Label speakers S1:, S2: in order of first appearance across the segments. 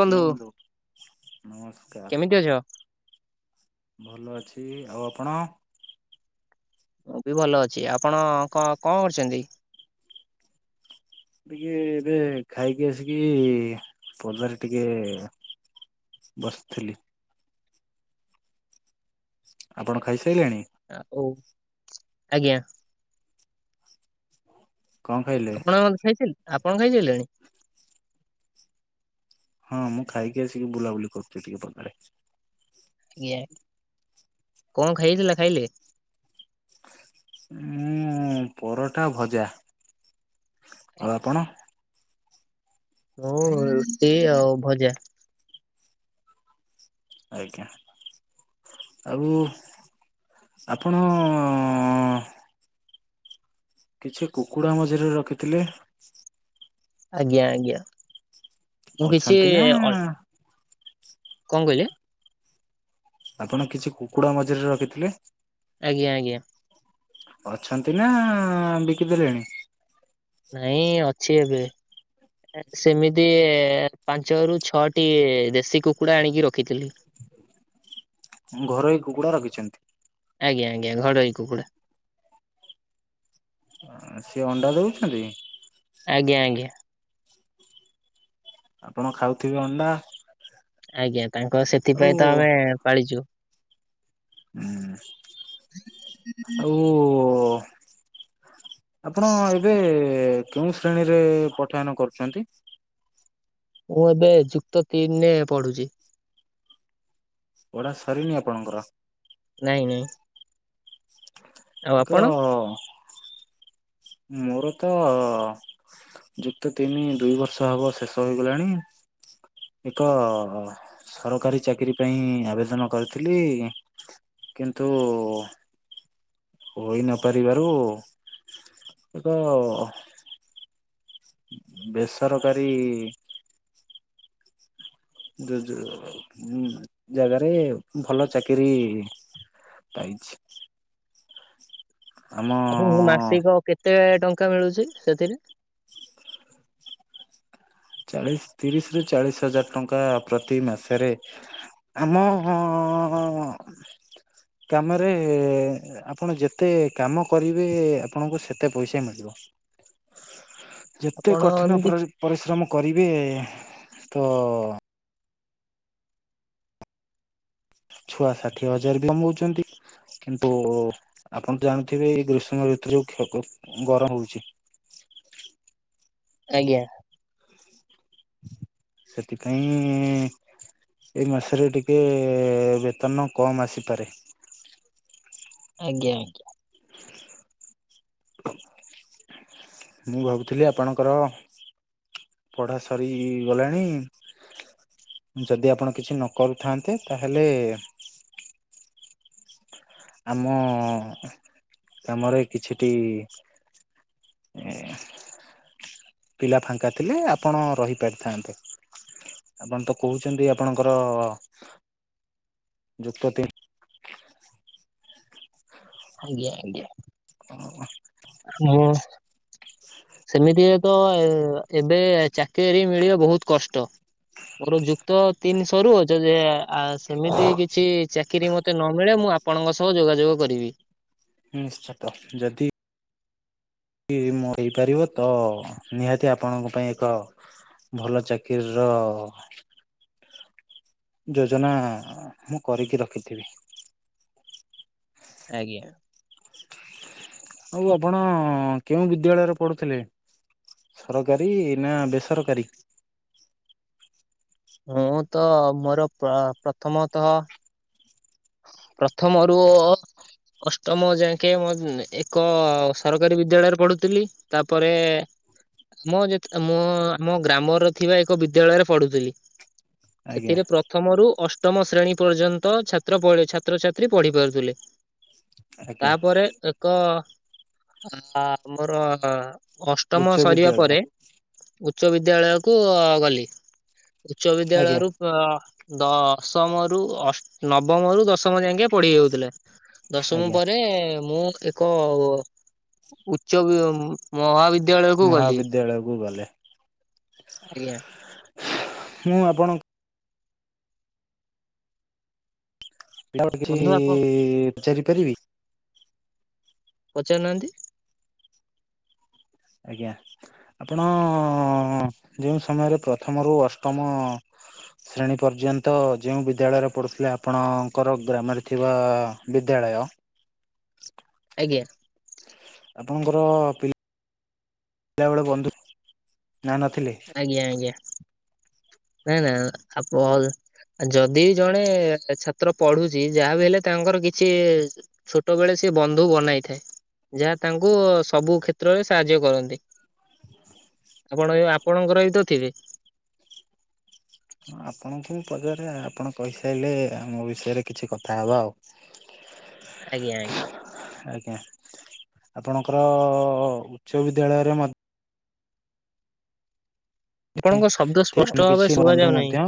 S1: ଆଜ୍ଞା ବନ୍ଧୁ ନମସ୍କାର।
S2: କେମିତି ଅଛ?
S1: ଭଲ ଅଛି ଆଉ ଆପଣ?
S2: ମୁଁବି ଭଲ ଅଛି ଆପଣ କ କଣ କରୁଛନ୍ତି?
S1: ଟିକେ ଏବେ ଖାଇକି ଆସିକି ପଦାରେ ଟିକିଏ ବସଥିଲି। ଆପଣ ଖାଇସାଇଲେଣି?
S2: [unintelligible] ଆଜ୍ଞା।
S1: କଣ ଖାଇଲେ?
S2: ଆପଣ ଖାଇସାଇଲେ ଆପଣ ଖାଇ ସାଇଲେଣି?
S1: ହଁ ମୁଁ ଖାଇକି ଆସିକି ବୁଲାବୁଲି କରୁଚି ଟିକେ ପଦାରେ।
S2: ଇଏ କଣ ଖାଇଥିଲା ଖାଇଲେ?
S1: ମୁଁ ପରଟା ଭଜା ଆଉ ଆପଣ?
S2: ମୁଁ ରୁଟି ଆଉ ଭଜା।
S1: ଆଜ୍ଞା। ଆଉ ଆପଣ? କିଛି କୁକୁଡା ମଝିରେ ରଖିଥିଲେ।
S2: ଆଜ୍ଞା ଆଜ୍ଞା ମୁଁ କିଛି
S1: ଅଛନ୍ତି ନା
S2: ଅଳପ କଣ କହିଲି?
S1: ଆପଣ କିଛି କୁକୁଡା ମଝିରେ ରଖିଥିଲେ?
S2: ଆଜ୍ଞା ଆଜ୍ଞା
S1: ଅଛନ୍ତିନା ବିକି ଦେଲେଣି।
S2: ନାଇଁ ଅଛି ଏବେ ସେମିତି ପାଞ୍ଚରୁୁ ଛଅଟି ଦେଶୀ କୁକୁଡା ଆଣିକି ରଖିଥିଲି।
S1: ଘରଇ କୁକୁଡା ରଖିଛନ୍ତି।
S2: ଆଜ୍ଞା ଆଜ୍ଞା ଘଡଇ କୁକୁଡା।
S1: ଆଁ ସିଏ ଅଣ୍ଡା ଦଉଛନ୍ତି।
S2: ଆଜ୍ଞା ଆଜ୍ଞା
S1: ଆପଣ ଖାଉଥିବେ ଅଣ୍ଡା।
S2: ଆଜ୍ଞା ତାଙ୍କ
S1: ଆଉ
S2: ସେଥିପାଇଁତ ଆମେ ପାଳିଚୁ।
S1: ଉୁଁ।
S2: [inaudible]
S1: ଓ ଆପଣ ଏବେ କେଉଁ ଶ୍ରେଣୀରେ ପଠୟନ କରୁଛନ୍ତି?
S2: ମୁଁ ଏବେ ଯୁକ୍ତ ତିନିରେ ପଢୁଛି।
S1: ପଢା ସରିନି ଆପଣଙ୍କର?
S2: ନାଇଁ ନାଇଁ ଆଉ ଆପଣ?
S1: [unintelligible] ମୋରତ ଯୁକ୍ତ ତିନି ଦୁଇ ବର୍ଷ ହବ ଶେଷ ହୋଇଗଲାଣି। ଏକ ସରକାରୀ ଚାକିରି ପାଇଁ ଆବେଦନ କରିଥିଲି। କିନ୍ତୁ ହୋଇ ନ ପାରିବାରୁ ଏକ ବେସରକାରୀ ଯୋଉ ଯୋଉ ଯୋ ଜାଗାରେ ଭଲ ଚାକିରି ପାଇଛି। ଆମ
S2: ଆପଣଙ୍କୁ ମାସିକ କେତେ ଟଙ୍କା ମିଳୁଛି ସେଥିରେ?
S1: ଚାଳିଶ ତିରିଶରୁ ଚାଳିଶ ହଜାର ଟଙ୍କା ପ୍ରତି ମାସେରେ ଆମ ହଁ କାମେରେ ଆପଣ ଯେତେ କାମ କରିବେ ଆପଣଙ୍କୁ ସେତେ ପଇସା ମିଳିବ। ଯେତେ
S2: ଆପଣ
S1: କଠିନ
S2: ଏମିତି
S1: ପ୍ରରି ପରିଶ୍ରମ କରିବେ ତ ଛୁଆ ଷାଠିଏ ହଜାର ବି କମଉଛନ୍ତି। କିନ୍ତୁ ଆପଣ ତ ଜାଣିଥିବେ ଏଇ ଗ୍ରୀଷ୍ମ ଋତୁରେ କ୍ଷକ ଗରମ ହଉଛି।
S2: ଆଜ୍ଞା।
S1: ସେଥିପାଇଁ ଏଇ ମାସରେ ଟିକେ ବେତନ କମ୍ ଆସିପାରେ।
S2: ଆଜ୍ଞା ଆଜ୍ଞା।
S1: [inaudible] ମୁଁ ଭାବୁଥିଲି ଆପଣଙ୍କର ପଢା ସରି ଗଲାଣି ଯଦି ଆପଣ କିଛି ନ କରୁଥାନ୍ତେ ତାହେଲେ ଆମ କାମରେ କିଛିଟି ଇଁ ହିଁ ହିଁ। ପିଲା ଫାଙ୍କା ଥିଲେ ଆପଣ ରହିପାରିଥାନ୍ତେ। ଆପଣ ତ କହୁଛନ୍ତି ଆପଣଙ୍କର ଯୁକ୍ତ ତି
S2: ଆଜ୍ଞା ଆଜ୍ଞା।
S1: ଅ।
S2: ମୋ ସେମିତି ବି ତ ଏବେ ଚାକିରି ମିଳିବା ବହୁତ କଷ୍ଟ। ମୋର ଯୁକ୍ତ ତିନି ସରୁ ଯ ଯା ଆ ସେମିତି କିଛି ଚାକିରି ମୋତେ ନ ମିଳେ ମୁଁ ଆପଣଙ୍କ ସହ ଯୋଗାଯୋଗ କରିବି।
S1: ନିଶ୍ଚତ ଯଦି ଇଏ ମୁଁ ହେଇପାରିବ ତ ନିହାତି ଆପଣଙ୍କ ପାଇଁ ଏକ ଭଲ ଚାକିରି ର ଯୋଜନା ମୁଁ କରିକି ରଖିଥିବି।
S2: ଆଜ୍ଞା।
S1: ଆଉ ଆପଣ କେଉଁ ବିଦ୍ୟାଳୟରେ ପଢୁଥିଲେ। ସରକାରୀ ନା ବେସରକାରୀ?
S2: ମୁଁ ତ ମୋର ପ ପ୍ରଥମତଃ ପ୍ରଥମରୁ ଅ ଅଷ୍ଟମ ଯାଙ୍କେ ମୋ ଏକ ସରକାରୀ ବିଦ୍ୟାଳୟରେ ପଢୁଥିଲି। ତାପରେ ମୁଁ ଯେତେ ମୁଁ ଆମ ଗ୍ରାମର ଥିବା ଏକ ବିଦ୍ୟାଳୟରେ ପଢୁଥିଲି।
S1: ଆଜ୍ଞା
S2: ସେଥିରେ ପ୍ରଥମ ରୁ ଅଷ୍ଟମ ଶ୍ରେଣୀ ପର୍ଯ୍ୟନ୍ତ ଛା ତ୍ର ପଳି ଛାତ୍ରଛାତ୍ରୀ ପଢି ପାରୁଥିଲେ।
S1: ଆଜ୍ଞା
S2: ତାପରେ ଏ କ ଆମର
S1: ଉଚ୍ଚ
S2: ଅଷ୍ଟମ ସରିବା
S1: ବିଦ୍ୟାଳୟ
S2: ପରେ ଉଚ୍ଚ ବିଦ୍ୟାଳୟ କୁ ଗଲି ଉଚ୍ଚ
S1: ଆଜ୍ଞା
S2: ବିଦ୍ୟାଳୟରୁ ଅ ଦଶମରୁ ଅସ୍ ନବମ ରୁ ଦଶମ ଯାଁକେ ପଢି ହଉଥିଲା। ଦଶମ
S1: ଆଜ୍ଞା
S2: ପରେ ମୁଁ ଏ କ ଉଚ୍ଚ ବ ମହାବିଦ୍ ଦ୍ୟାଳୟ କୁ ଗଲି,
S1: ମହାବିଦ୍ୟାଳୟକୁ ଗଲେ
S2: ଆଜ୍ଞା।
S1: ମୁଁ ଆପଣ
S2: ବନ୍ଧୁ ଆପଣ
S1: [unintelligible] ପଚାରି ପାରିବି?
S2: ପଚାରୁ ନାହାନ୍ତି।
S1: ଆଜ୍ଞା। ଆପଣ ଅଁ-ଅଁ-ଅଁ-ଅଁ-ଅଁ ଯେଉଁ ସମୟରେ ପ୍ରଥମରୁ ଅଷ୍ଟମ ଶ୍ରେଣୀ ପର୍ଯ୍ୟନ୍ତ ଯେଉଁ ବିଦ୍ୟାଳୟରେ ପଢୁଥିଲେ ଆପଣଙ୍କର ଗ୍ରାମରେ ଥିବା ବିଦ୍ୟାଳୟ
S2: ଆଜ୍ଞା।
S1: ଆପଣଙ୍କର ପିଲାବେଳେ ବନ୍ଧୁ ନା ନଥିଲେ?
S2: ଆଜ୍ଞା, ଆଜ୍ଞା, ନା ନା ଆପ ଯଦି ଜଣେ ଏ ଛାତ୍ର ପଢୁଛି ଯାହାବି ହେଲେ ତାଙ୍କର କିଛି ଛୋଟବେଳେ ସେ ବନ୍ଧୁ ବନାଇଥାଏ। ଯାହା ତାଙ୍କୁ ସବୁ କ୍ଷେତ୍ରରେ ସାହାଯ୍ୟ କରନ୍ତି। ଆପଣ ଏ ଆପ୍ ଆପଣଙ୍କର ବି ତ ଥିବେ?
S1: ହଁ ଆପଣଙ୍କୁ ପଚାର [unintelligible] ଆପଣ କହିସାଇଲେ ମୋ ବିଷୟରେ କିଛି କଥା ହବା ଆଉ।
S2: ଆଜ୍ଞା, ଆଜ୍ଞା।
S1: ଆଜ୍ଞା, ଆପଣଙ୍କର ଉଚ୍ଚ ବିଦ୍ୟାଳୟରେ ମ
S2: ଆପଣଙ୍କ ଶବ୍ଦ
S1: ମଧ୍ୟ
S2: ସ୍ପଷ୍ଟ
S1: କିଛି
S2: ଭାବରେ ଶୁଭା
S1: ବନ୍ଧୁ
S2: ଯାଉ
S1: ମଧ୍ୟ
S2: ନାହିଁ।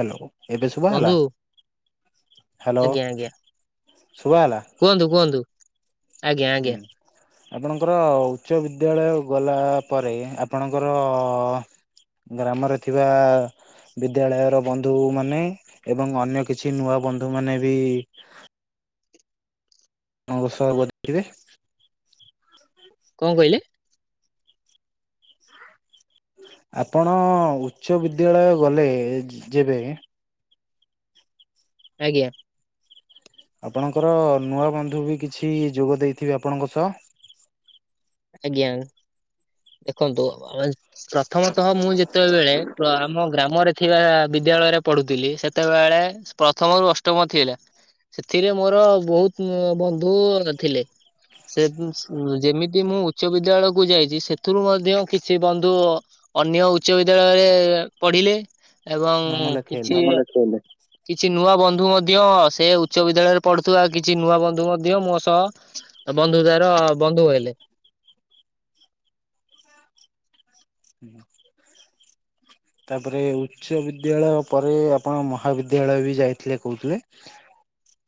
S1: ହ୍ୟାଲୋ ଏବେ ଶୁଭା ଗଲା?
S2: ବନ୍ଧୁ
S1: ହାଲୋ
S2: ଆଜ୍ଞା ଆଜ୍ଞା
S1: ଶୁଭା ଗଲା।
S2: କୁହନ୍ତୁ କୁହନ୍ତୁ। ଆଜ୍ଞା
S1: ହୁଁ
S2: ଆଜ୍ଞା
S1: ଆପଣଙ୍କର ଉଚ୍ଚ ବିଦ୍ୟାଳୟ ଗଲା ପରେ ଆପଣଙ୍କର ଗ୍ରାମରେ ଥିବା ବିଦ୍ୟାଳୟର ବନ୍ଧୁ ମାନେ ଏବଂ ଅନ୍ୟ କିଛି ନୂଆ ବନ୍ଧୁ ମାନେ ବି ମୋ ବିଷୟ ପଚାରିବେ?
S2: କଁ କଇଲେ?
S1: ଆପଣ ଉଚ୍ଚ ବିଦ୍ୟାଳୟ ଗଲେ ଯେବେ
S2: ଆଜ୍ଞା।
S1: ଆପଣଙ୍କର ନୂଆ ବନ୍ଧୁ ବି କିଛି ଯୋଗ ଦେଇଥିବେ ଆପଣଙ୍କ ସଅ?
S2: ଆଜ୍ଞା, ଦେଖନ୍ତୁ [unintelligible] ପ୍ରଥମତଃ ମୁଁ ଯେତେବେଳେ ପ୍ର ଆମ ଗ୍ରାମରେ ଥିବା ବିଦ୍ୟାଳୟରେ ପଢୁଥିଲି ସେତେବେଳେ ପ୍ରଥମରୁ ଅଷ୍ଟମ ଥିଲା ସେଥିରେ ମୋର ବହୁତୁ ଉଁ ବନ୍ଧୁ ଥିଲେ। ସେ ଉଁ ଯେମିତି ମୁଁ ଉଚ୍ଚ ବିଦ୍ୟାଳୟକୁ ଯାଇଛି ସେଥିରୁ ମଧ୍ୟ କିଛି ବନ୍ଧୁ ଅନ୍ୟ ଉଚ୍ଚ ବିଦ୍ୟାଳୟରେ ପଢିଲେ ଏବଂ
S1: ନାମ ଲେଖେଇଲେ
S2: କିଛି କିଛି ନୂଆ ବନ୍ଧୁ ମଧ୍ୟ ସେ ଉଚ୍ଚ ବିଦ୍ୟାଳୟରେ ପଢୁଥିବା କିଛି ନୂଆ ବନ୍ଧୁ ମଧ୍ୟ ମୋ ସହ ତ ବନ୍ଧୁତାର ବନ୍ଧୁ ହେଲେ।
S1: ହୁଁ [unintelligible]
S2: [inaudible]
S1: ତାପରେ ଉଚ୍ଚ ବିଦ୍ୟାଳୟ ପରେ ଆପଣ ମହାବିଦ୍ୟାଳୟ ବି ଯାଇଥିଲେ କହୁଥିଲେ।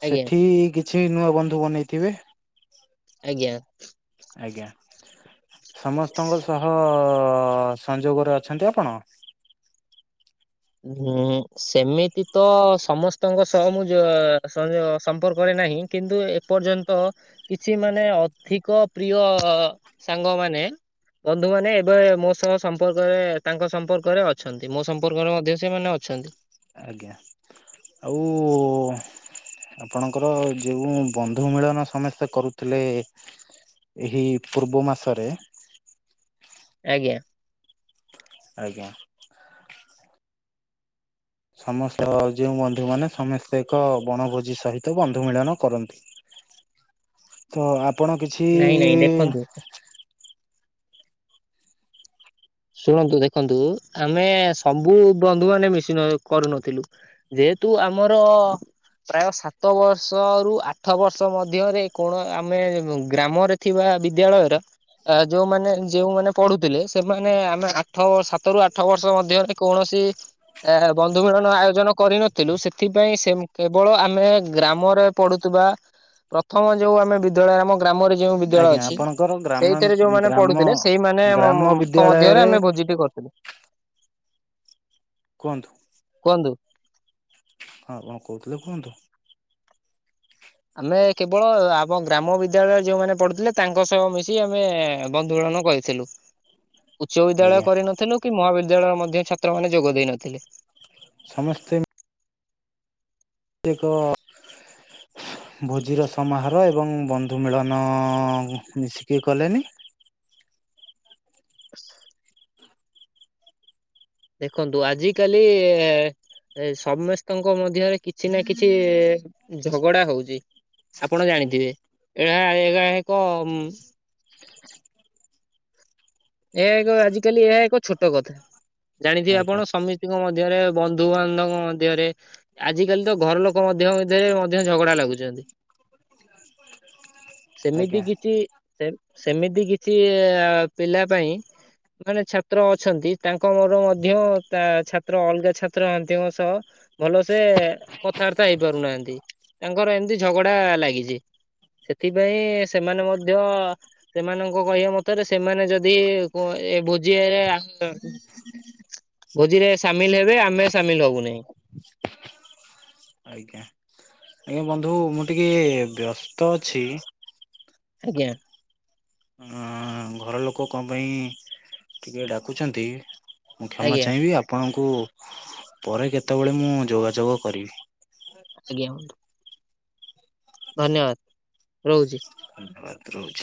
S2: ଆଜ୍ଞା
S1: ସେଠି କିଛି ନୂଆ ବନ୍ଧୁ ବନେଇଥିବେ?
S2: ଆଜ୍ଞା।
S1: ଆଜ୍ଞା ସମସ୍ତଙ୍କ ସହ ହ ସଂଯୋଗରେ ଅଛନ୍ତି ଆପଣ?
S2: ହଁ ସେମିତି ତ ସମସ୍ତଙ୍କ ସହ ମୁଁ ଯୋ ସଂଯୋଗ ସମ୍ପର୍କରେ ନାହିଁ କିନ୍ତୁ ଏପର୍ଯ୍ୟନ୍ତ କିଛି ମାନେ ଅଧିକ ପ୍ରିୟ ସାଙ୍ଗମାନେ ବନ୍ଧୁମାନେ ଏବେ ମୋ ସହ ସମ୍ପର୍କରେ ତାଙ୍କ ସମ୍ପର୍କରେ ଅଛନ୍ତି ମୋ ସମ୍ପର୍କର ଦେ ସେମାନେ ଅଛନ୍ତି।
S1: ଆଜ୍ଞା ଆଉ ଆପଣଙ୍କର ଯେଉଁ ବନ୍ଧୁ ମିଳନ ସମସ୍ତେ କରୁଥିଲେ ଏହି ପୂର୍ବ ମାସରେ
S2: ଆଜ୍ଞା।
S1: ଆଜ୍ଞା। ସମସ୍ତ ଯେଉଁ ବନ୍ଧୁମାନେ ସମସ୍ତେ ଏକ ବଣଭୋଜି ସହିତ ବନ୍ଧୁ ମିଳନ କରନ୍ତି।
S2: [inaudible]
S1: ତ ଆପଣ କିଛି
S2: ନାଇଁ ନାଇଁ ଦେଖନ୍ତୁ ଶୁଣନ୍ତୁ ଦେଖନ୍ତୁ ଆମେ ସବୁ ବନ୍ଧୁମାନେ ମିଶି ନ କରୁନଥିଲୁ। ଯେହେତୁ ଆମର ପ୍ରାୟ ସାତ ବର୍ଷ ରୁ ଆଠ ବର୍ଷ ମଧ୍ୟରେ କୌଣ ଆମେ ଗ୍ରାମରେ ଥିବା ବିଦ୍ୟାଳୟର ଆ ଯୋଉମାନେ ଯେଉଁମାନେ ପଢୁଥିଲେ ସେ ମାନେ ଆମେ ଆଠ ବର୍ଷ ସାତରୁୁ ଆଠ ବର୍ଷ ମଧ୍ୟରେ କୌଣସି ଏ ବନ୍ଧୁ ମିଳନ ଆୟୋଜନ କରିନଥିଲୁ ସେଥିପାଇଁ ସେ କେବଳ ଆମେ ଗ୍ରାମରେ ପଢୁଥିବା ପ୍ରଥମ ଯୋଉ ଆମେ ବିଦ୍ୟାଳୟରେ ଆମ ଗ୍ରାମରେ ଯେଉଁ ବିଦ୍ୟାଳୟ
S1: ଆଜ୍ଞା
S2: ଅଛି
S1: ଆପଣଙ୍କର ଗ୍ରାମା
S2: ସେଇଥିରେ ଯୋଉମାନେ
S1: ଗ୍ରାମ
S2: ପଢୁଥିଲେ ସେଇମାନେ
S1: ଗ୍ରାମ
S2: ମ-ମ ଙ୍କ ମଧ୍ୟରେ
S1: ବିଦ୍ୟାଳୟରେ
S2: ଆମେ ଭୋଜିଟେ କରିଥିଲୁ।
S1: କୁହନ୍ତୁ।
S2: କୁହନ୍ତୁ।
S1: ହଁ ଆପଣ କହୁଥିଲେ କୁହନ୍ତୁ।
S2: ଆମେ କେବଳ ଆମ ଗ୍ରାମ ବିଦ୍ୟାଳୟରେ ଯେଉଁମାନେ ପଢୁଥିଲେ ତାଙ୍କ ସହ ମିଶି ଆମେ ବନ୍ଧୁ ମିଳନ କହିଥିଲୁ ଉଚ୍ଚ ବିଦ୍ୟାଳୟ
S1: ଆଜ୍ଞା
S2: କରିନଥିଲୁ କି ମହାବିଦ୍ୟାଳୟର ମଧ୍ୟ ଛାତ୍ରମାନେ ଯୋଗ ଦେଇ ନଥିଲେ
S1: ସମସ୍ତେ ତେକ ଭୋଜିର ସମାହାର ର ଏବଂ ବନ୍ଧୁ ମିଳନ ମିଶିକି କଲେନି
S2: ହ ଦେଖନ୍ତୁ ଆଜିିକାଲି ଏ ସମସ୍ତେଙ୍କ ମଧ୍ୟରେ କିଛି ନା କିଛି ଝଗଡା ହଉଛି ଆପଣ ଜାଣିଥିବେ ଏଆ ଏଗା ଏକ ମ-ମ ଏହା ଏକ ଆଜିକାଲି ଏହା ଏକ ଛୋଟ କଥା ଜାଣିଥିବେ
S1: ଆଜ୍ଞା।
S2: ଆପଣ ସମୀ ତିଙ୍କ ମଧ୍ୟରେ ବନ୍ଧୁବାନ୍ଧବଙ୍କ ମଧ୍ୟରେ ଆଜିିକାଲି ତ ଘର ଲୋକ ମଧ୍ୟ ମଧ୍ୟରେ ମଧ୍ୟ ଝଗଡା ଲାଗୁଛି ସେମିତି
S1: ଆଜ୍ଞା
S2: କିଛି ଏପ ସେମିତି କିଛି ଏ ପିଲା ପାଇଁ ମାନେ ଛାତ୍ର ଅଛନ୍ତି ତାଙ୍କ ମୋର ମଧ୍ୟ ତା ଛାତ୍ର ଅଲଗା ଛାତ୍ର ଅନ୍ତିଙ୍କ ସହ ଭଲ ସେ କଥାଆର୍ତ୍ତା ହେଇ ପାରୁନାହାନ୍ତି ତାଙ୍କର ଏମତି ଝଗଡା ଲାଗିଛି ସେଥିପାଇଁ ସେମାନେ ମଧ୍ୟ ସେମାନଙ୍କ କହିବା ମତରେ ସେମାନେ ଯଦ ଦି ଏ କ- ଏ ବୁଜିଆରେ ଆନ୍ଦ ଭୋଜିରେ ସାମିଲ ହେବେ ଆମେ ସାମିଲ ହବୁନାହିଁ।
S1: ଆଜ୍ଞା। ଆଜ୍ଞା ବନ୍ଧୁ ମୁଁ ଟିକେ ବ୍ୟସ୍ତ ଅଛି।
S2: ଆଜ୍ଞା।
S1: ଅଁ ଘର ଲୋକ କଣ ପାଇଁ ଟିକେ ଡାକୁଛନ୍ତି। ମୁଁ କ୍ଷମା
S2: ଆଜ୍ଞା।
S1: ଚାହିଁବି, ଆପଣଙ୍କୁ ପରେ କେତେବେଳେ ମୁଁ ଯୋଗାଯୋଗ କରିବି।
S2: ଆଜ୍ଞା ବନ୍ଧୁ। ଧନ୍ୟବାଦ ରହୁଛି।
S1: ଧନ୍ୟବାଦ ରହୁଛି।